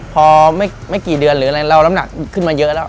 พอไม่กี่เดือนหรืออะไรเราน้ำหนักขึ้นมาเยอะแล้ว